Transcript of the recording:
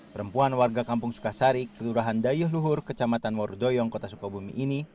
perempuan warga kampung sukasari kelurahan dayuh luhur kecamatan warudoyong kota sukabumi ini